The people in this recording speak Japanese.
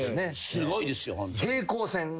すごいですよホント。